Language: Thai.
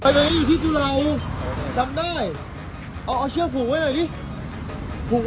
นี่ผูกอยู่เนี้ยผูกอยู่เนี้ย